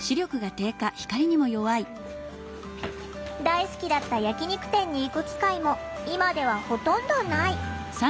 大好きだった焼き肉店に行く機会も今ではほとんどない。